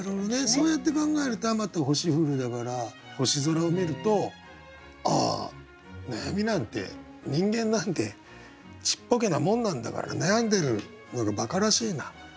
そうやって考えると「数多星降る」だから星空を見ると「ああ悩みなんて人間なんてちっぽけなもんなんだから悩んでるのがバカらしいな」。